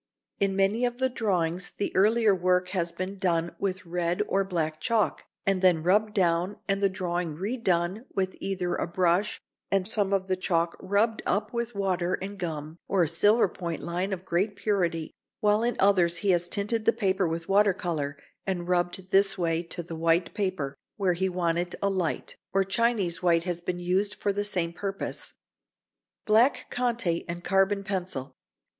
In many of the drawings the earlier work has been done with red or black chalk and then rubbed down and the drawing redone with either a brush and some of the chalk rubbed up with water and gum or a silver point line of great purity, while in others he has tinted the paper with water colour and rubbed this away to the white paper where he wanted a light, or Chinese white has been used for the same purpose. [Sidenote: Black Conté and Carbon Pencil.